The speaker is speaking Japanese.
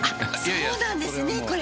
あそうなんですねこれ。